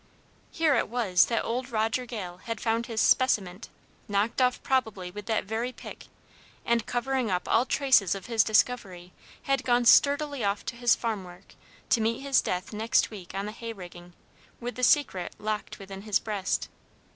Here it was that old Roger Gale had found his "speciment," knocked off probably with that very pick, and, covering up all traces of his discovery, had gone sturdily off to his farm work, to meet his death next week on the hay rigging, with the secret locked within his breast.